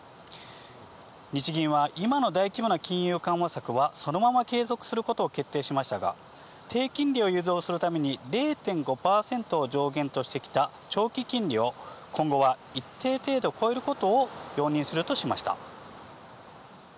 日銀は、今の大規模な金融緩和策は、そのまま継続することを決定しましたが、低金利を誘導するために、０．５％を上限としてきた長期金利を、今後は一定程度超えることを容認するとしました。